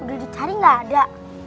udah dicari gak ada